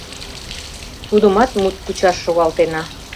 Тудымат мут кучаш шогалтена.